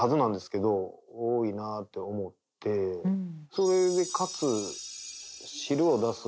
それでかつ。